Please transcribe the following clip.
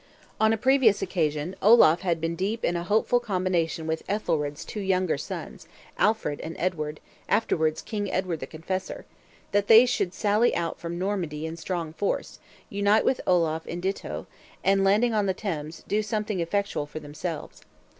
On a previous occasion, Olaf had been deep in a hopeful combination with Ethelred's two younger sons, Alfred and Edward, afterwards King Edward the Confessor: That they two should sally out from Normandy in strong force, unite with Olaf in ditto, and, landing on the Thames, do something effectual for themselves.